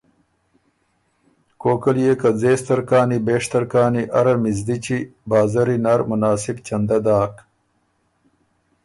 کوک ال يې که ځېستر کانی بېشتر کانی اره مِزدِچی، بازری نر مناسب چنده داک